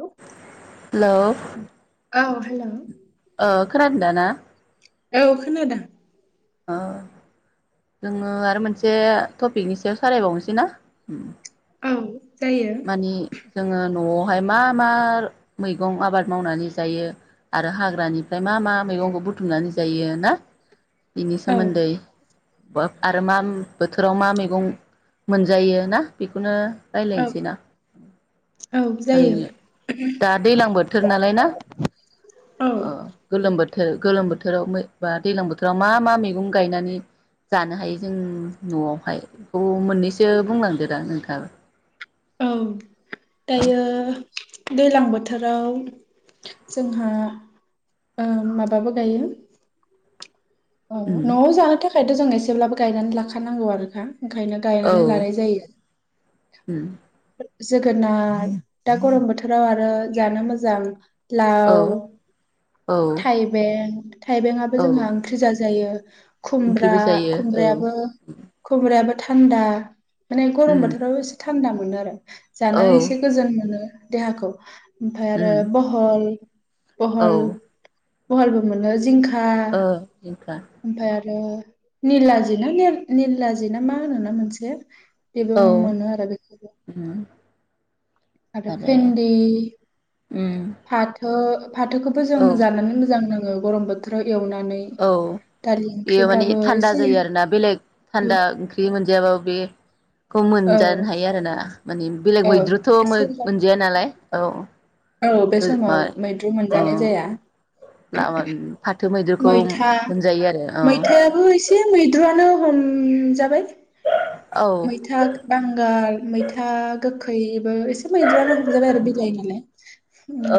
औ hello hello ओ खोनादोना औ खोनादों। ओ जोङो आरो मोनसे टपिकनि सायाव सालायबावनोसै ना। औ जायो मानि जोङो न'आव बेहाय मा-मा मैगं आबाद मावनानै जायो आरो हाग्रानिफ्राय मा-मा मैगंखौ बुथुमनानै जायो ना बिनि औ सोमोनदै आरो मा बोथोराव मा मैगं मोनजायो ना बेखौनो औ रायलायनिसै औ जायो ओरैनो दा दैलां बोथोर नालाय ना औ गोलोम बोथोर बोथोर गोलोम बोथोराव बा दैज्लां बोथोराव मा-मा मैगं गायनानै जानो हायो जों न'आवहाय बेखौ मोननैसो बुंलांदो दा नोंथाबो औ दायो दैलां बोथोराव जोंहा ओ माबाबो गायो अ उम न'आव जानो थाखाय थ' जों एसेब्लाबो गायनानै लाखानांगौ आरोखा ओंखायनो गायनानै औ लानाय जायो। उम जोगोनार दा गरम बोथोराव आरो जानो मोजां। औ लाव थाइबें थाइबें आबो औ जोंहा जाजायो खुमब्रा ओंख्रिबो जायो औ खुमब्रायाबो-खुमब्रायाबो थान्दा माने गरम उम बोथाव एसे था थान्दा मोनो आरो। औ जानानै एसे गोजोन मोनो। देहाखौ ओमफ्राय आरो उम बहल औ बहल बहलबो मोनो जिंखा खा ओ जिंखा आरो निलाजि ना निलाजि ना मा होनोना मोनसे बेबो औ मोनो आरो बेखौबो उम आरो भेन्दि उम फाथो फाथोखौबो जों औ जानानै मोजां नाङो। ओ गरम बोथोराव एवनानै औ दालि बेयो माने ओंख्रिब्लाबो थान्दा एसे जायो आरोना बेलेग औ थान्दा ओंख्रि मोनजायाबाबो बेखौ औ मोनजानो हायो आरोना। मानि बेलेग औ मैद्रुथ' एसेब्लाबो मोनजाया नालाय औ औ बे मा समाव मैद्रु औ मोनजानाय जाया। [unintelligible] फाथो। मैद्रुखौ मैथा मोनजायो आरो मैथायाबो एसे मैद्रुआनो खम जाबाय औ मैथा बांगाल मैथा गोखैबो एसे मैद्रानो हमजाबाय आरो बिलाइ नालाय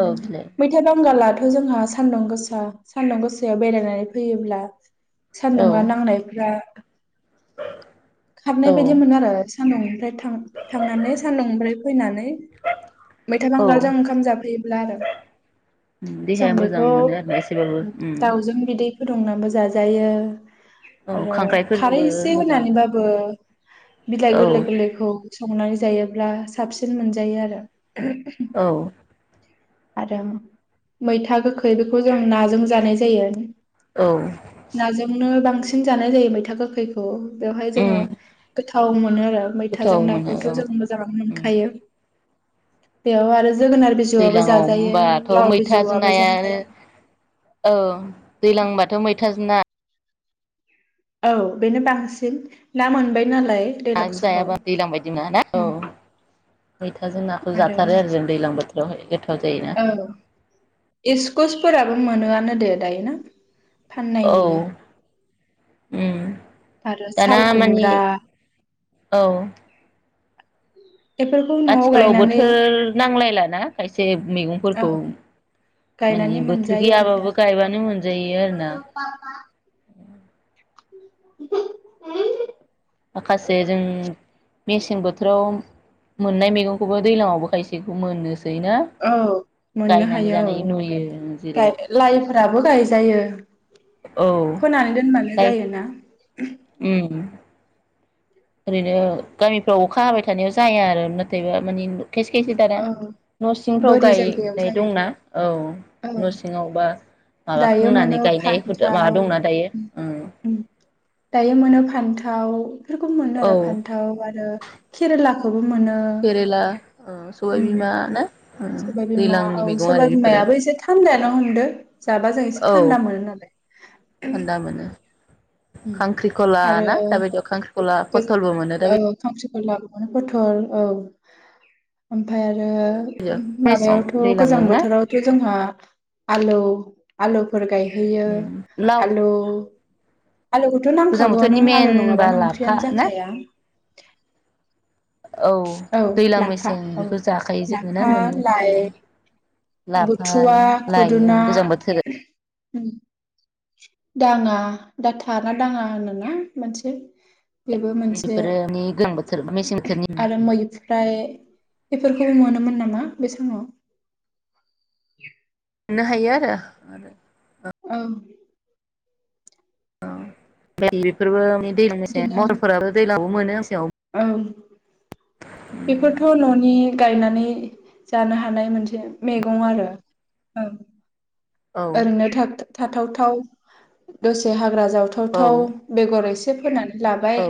औ बिलाइ मैथा बांगालाथ दाथ' जोंहा सान्दुं गोसा सान्दुं गोसायाव बेरायनानै फैयोब्ला औ सान्दुंङा नांनायफ्रा [inaudible] खारनाय औ बायदि मोनो आरो इसे सानदुं निफ्राय थां-थांनानै सानदुं निफ्राय फैनानै मैथा औ बांगालजों ओंखाम जाफैब्ला आरो देहाया मोजां जोंबिखौ मोनो आरोना एसेबाबो उम दावजों बिदै फुदुंनाबो जाजायो औ आरो खारै खांख्राइफोरजोंबो एसे मोजां होनानैबा औ बिलाय औ गोरलै गोरलैखौ । संनानै जायोब्ला साबसिन मोनजायो आरो औ आरो मैथा गोखै बेखौ जों नाजों जानाय जायो। औ नाजोंनो बांसिन। बांसिन जानाय जायो मैथा गोखैखौ बेवहाय उम जोङो गोथा औ। मोनो आरो मैथा जों गोथाव मोनो नाखौथ' औ जों मोजाङानो मोनखायो बेयाव आरो जोगोनार बिजौआबो दैलाङाव जाजायो होनबाथ' लाव मैथाजों बिजौआबो नायानो जाजायो औ दैलांबाथ' मैथाजों ना। औ बेनो बांसिन ना मोनबाय नालाय ना दैज्लां समाव जायाबा दैज्लां बायदि नाना औ उम मैथाजों नाखौ जाथारो आरो जों दैज्लां बोथोर दहाय गोथ औ इसकस फोराबो मोनोआनो दे दायो ना फाननाय औ नुयो उम आरो दाना साल मानि खुमब्रा औ बेफोरखौ न'आव आथिखालाव गायनानै बोथोर नांलायला ना खायसे औ मैगंफोरखौ माने गायनानै बोथोर मोनजायो आरो दा गैयाबाबो गायबानो मोनजायो आरोना माखासे जों मेसें बोथोराव मोननाय मैगंखौबो दैलाङावबो खायसेखौ मोनोसै औ मोननो हायो औ जानाय नुयो गा जेरै लाइफोराबो गायजायो औ फोनानै दोनबानो गाय जायोना उम ओरैनो गामिफ्राव अखा हाबाय थानायाव जाया आरो नाथायबा मानि खायसे खायसे दाना औ न' सिंफ्राव बोरि जायगायाव गायनाय जायो दंना औ औ न' सिङावबा। माबा दायो खोंनानै मोनो गायनायफोर फान्थाव माबा दंना दायो उम दायो मोनो फान्थाव। बेफोरखौ मोनो औ आरो फान्थाव आरो केेरेला। केरला ओ सबायबिमा ना। ओम सोरबा बिमा दैज्लांनि औ मैगं आरो सोरबा बेफोरो बिमायाबो एसे थान्दाया। दा हमदो। जाबा जों एसे औ थान्दा मोनो नालाय। थान्दा मोनो उम खांख्रिखला आरो ना दाबायदियाव खांख्रि खला फथलबो मोनो दाबाय लाबोनो पथल औ ओमफ्राय आर दाबायदियाव आरो मेसें माबायावथ' दैज्लां गोजां मोनो ना बोथोरावथ' जोंहा आलु आलु फोर गायहोयो लाव आलु आलुखौथ' गोजां नांखागौआनो बोथोरनि आलु मेन बा नङाबानो ओंख्रि लाफा नो ना जाखाया [inaudible] औ दैज्लां लाफा मेसें औ बेखौ जाखायो जोङो ना लाफा मोनो लाइ लाफाय बुथुवा लाइ खुदुना गोजां बोथोर उम। दाङा दा था ना दाङा होनोना मोनसे बेबो मोनसे बेफोरोनि गोजां बोथोर मेसें बोथोरनि आरो मोननो मैफ्राय बेफोरखौबो मोनोमोन नामा बे समाव मोननो हायो आरो। औ। औ बेफोरबो दै महरफोराबो दैज्लां मोनो। मेसेङाव ओं। बेफोरथ' न'नि गायनानै जानो हानाय मोनसे मैगं आरो। औ ओरैनो थाब थाथावथाव दसे हाग्रा जावथावथाव औ बेगर एसे [unintelligible] लाबाय औ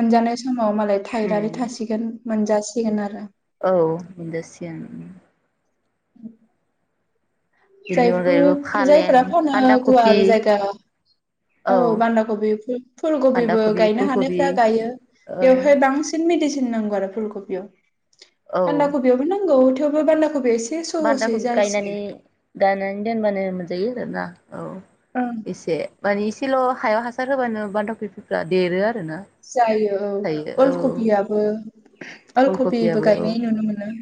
मोनजानाय सम माव मालाय थायनानै उम थासिगोन। मोनजासिगोन आरो। औ मोनजासिगोन उ बेनि अनगायैबो जायफोर फालें जायफोरा फोनो बान्दा कफि गुवार जायगा औ बान्दा कबि फुल बान्दा कबिबो कबि गायनो फुलकबि हानायफ्रा गायो ओ बेवहाय बांसिन मेडसिन सिन नांगौ आरो फुलकबियाव औ । बान्दा कबियावबो नांगौ थेव थेवबो बान्दा कबि एसे बान्दा सहसै कबिखौ जासियो गायनानै गायनानै दोनबानो मोन जायो आरो ना? औ ओं इसे मानिस सिल' हायाव हासार होबानो बान्दा खफिफ्रा देरो। आरोना जायो औ थायो अल औ कबियाबो अल कबिबो अलकबियाबो गायनाय नुनो मोनो।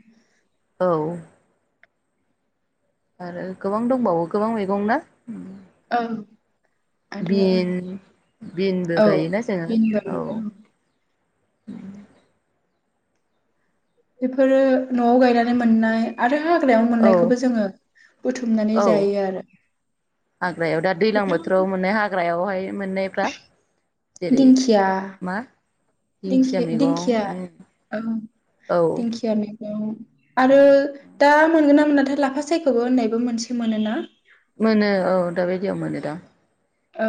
औ आरो गोबां दंबावो गोबां मैगं ना? औ आरो बिन बिनबो औ गायोना जोङो बेनिबो औ। नुयो उम बेफोरो न'आव गायनानै मोननाय आरो हाग्रायाव औ मोननायखौबो जोङो बुथुमनानै औ जायो आरो गोबां फायो दिंखिया मा दिंखिया मैगं दिखि-दिंखिया उम औ औ दिंखिया मैग औ आरो दा मोनगोन ना मोनाथाय लाफा सायखोबो होननायबो मोनसे मोनोना। मोनो औ दाबायदियाव मोनोदा। औ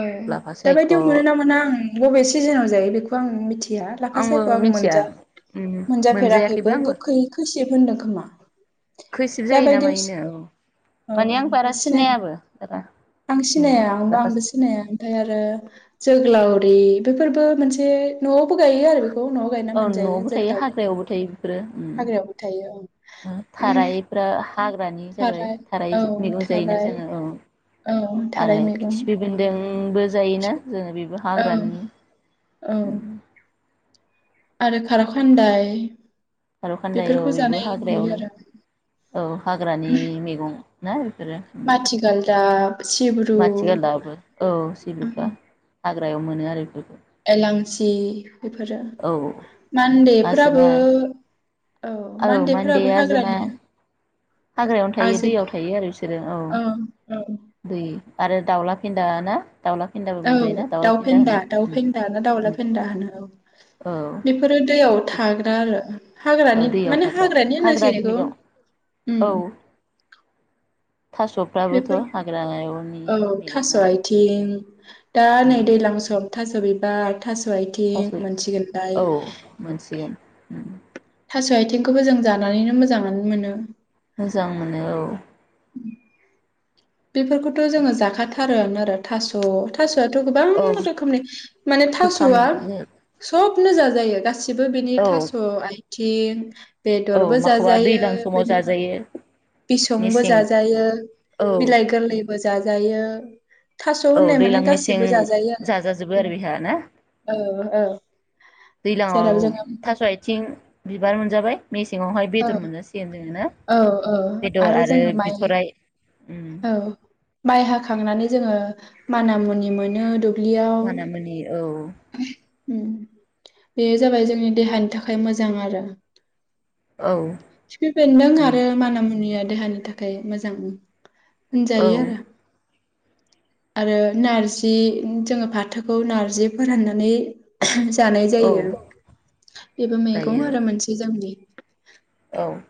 दााबायदियाव मोनोना मोना आं बबे सिजोनाव जायो? बेखौ आं मिथि या लाफा आंबो सायख' आं मिथिया मोनजा उम मोनजायाखैबो मोनजाफेराखैबो आंबो गोखै खैसिब सिब होनदों खोमा? खैसिब जायो ना दाबायदियाव मायोनो औ औ माने आं ओमफ्राय बारा सिनाय सिनायाबो आरो। आं सिनाया आंबो आंबो सिनाया ओमफाय आरो जोगलावरि बेफोरबो मोनसे न' न'आवबो गायो आरो बेखौ न'आव गायना मोनजायो जोग्लावरि। रो उम हाग्रायावबो थायो औ उम थारायफ्रा हाग्रानि जाबाय थाराय औ मैगं जायोना थाराय जोङो औ औ आरो थाराय मैगं खिफि बेन्दोंबो जायोना जोङो बेबो औ हाग्रानि औ उम आरो खार'खान्दाय खार'खान्दाय औ बेबो हाग्रायावनो औ हाग्रानि मैगं ना? माथि गालदाब माथि गाललाबो औ सिब्रुफ्रा हाग्रायाव मोनो आरो बेफोरखौ एलांसि बेफोरो औ मान्देफोराबो आजोना औ मान्दे मान्डेफोराबो आजोना हाग्रानि ना हाग्रायावनो थायो दैयाव आजिनाय थायो आरो बिसोरो औ औ दै आरो दाउला फेन्दा ना दाउला फेन्दाबो औ मोनजायोना दाउला दाउ फेन्दा होनो दाउ उम फेन्दा ना दाउला उम फेन्दा होनो औ औ बेफोरो दैयाव थाग्रा आरो ओ हाग्रानि दैयाव माने थाग्रा हाग्रानि होननांसिगोन एखौ मैगं औ उम बेफोर थास'फ्राबोथ' हाग्रायाव औ थास' आइथिं दा उम नै दैलां सम थास' बिबार थास' थास' आथिं मोनसिगोनलाय औ मोनसिगोन उम थास' आथिंखौबो जों जानानैनो मोजाङानो मोनो मोजां मोनो औ बेफोरखौथ' जोङो जाखाथा थारुन आरो थास' थास स'आथ गोबां औ रोखोमनि माने रोखोम थास'आ सब नो जाजायो गास सिबो बिनि औ थास' आइ थिं औ बेदरबो माखौबा जाजायो दैज्लां समाव बिनि उनाव जाजायो बिसंबो मेसें जाजायो औ बिलाइ गोरलै बो जाजायो थास' औ होननाय दैलां माने मेसें गासिबो जाजायो जाजाजोबो आरो बेहा ना ओम आरो औ औ दैलाङाव जेराव जोङो थास' आथिं बिबार मोनजाबाय मेसे सिङावहाय औ बेदर मोजासिगोन जोङो ना? औ औ बेदर आरो जोङो माइ बिथराइ उम औ माइ हाखांनानै जोङो माना मुनि मोनो दु माना मुनि औ ओम बेयो जाबाय जोंनि देहानि थाखाय मोजां आरो औ खिफि बेन्दों माने आरो माना मुनिया देहानि थाखाय मोजां ओं औ होनजायो आरो आरो नारजि जोङो फाथोखौ नारजि फोराननानै जानाय औ जायो बेबो मैगं जायो आरो मोनसे जोंनि औ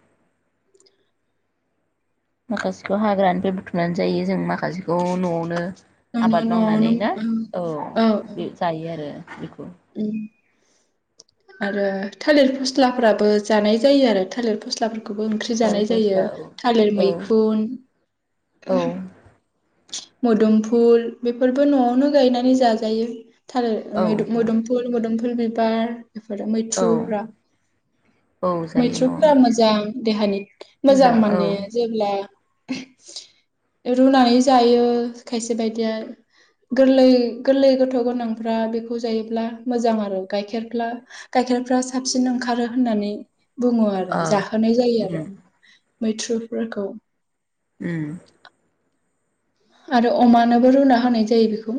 माखासेखौ हाग्रानिफ्राय बुथुमनानै जायो जों माखासेखौ नआवनो न' न' आबाद न'आवनो मावनानै ना औ जायो आरो बेखौ उम आरो थालिर फस्लाफोराबो जानाय जायो आरो थालिर फस्लाफोर खोबो ओंख्रि थालिर जानाय फस्ला जायो औ थालिर मैखुन औ मोदोमफुल बेफोरबो नआवनो गायनानै जाजायो थारो औ मोद मोदपुर मोदोम फुल बिबार बेफोरो औ मैथ्रुफ्रा औ जायो न'आवनो मैथ्रुफ्रा मोजां देहानि मोजां माने जेब्ला रुनानै जायो खायसे बायदिया गोरलै गोरलै गथ गोनांफ्रा बेखौ जायोब्ला मोजां आरो गाइखेरप्ला गाइखेरफ्रा साबसिन ओंखारो होननानै बुङो आरो ओ जाहोनाय जायो आरो उम मैथ्रुफोरखौ उम आरो अमानोबो रुना होनाय जायो बेखौ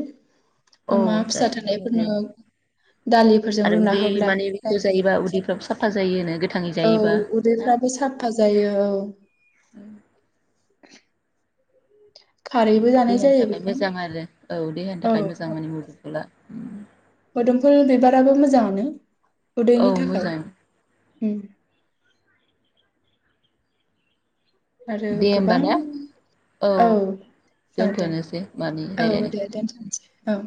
औ अमा फिसा जायो थानायफोरनो होनजायो दालिफोरजों आरो रुना उदै होब्ला माने बेखौ जायोबा उदैफ्राबो साफा जायोनो गोथाङै औ जायोबा ना उदैफ्राबो साफा जायो औ [inaudible] खारैबो जानाय देहानि जायो थाखाय बेखौ मोजां आरो औ देहानि थाखाय मोजां माने मुदु ला मदमफुल बिबाराबो मोजाङानो औ उदैनि थाखाय। मोजां उम। आरो दे होमबा गोबां ना औ, औ दे दोनथ'नोसै मानि औ रायलायनायखौ दे दोनथ'नोसै। औ।